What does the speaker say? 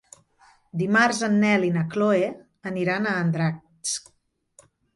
Dimarts en Nel i na Chloé aniran a Andratx.